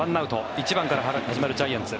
１番から始まるジャイアンツ。